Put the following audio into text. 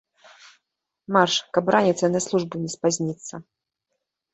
Марш, каб раніцай на службу не спазніцца!